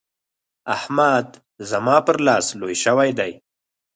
احمد زما پر لاس لوی شوی دی.